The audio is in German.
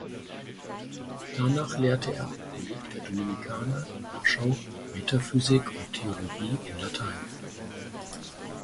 Danach lehrte er am Kolleg der Dominikaner in Warschau (Metaphysik und Theologie in Latein).